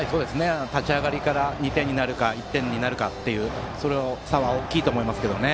立ち上がりから２点になるか１点になるかのその差は大きいと思いますけどね。